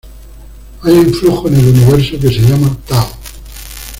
Hay un flujo en el universo que se llama tao.